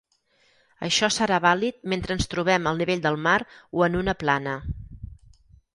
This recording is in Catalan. Això serà vàlid mentre ens trobem al nivell del mar o en una plana.